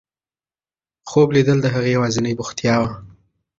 خوب لیدل د هغې یوازینۍ بوختیا وه.